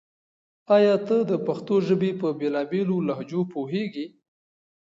آیا ته د پښتو ژبې په بېلا بېلو لهجو پوهېږې؟